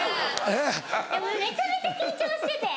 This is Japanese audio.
めちゃめちゃ緊張してて。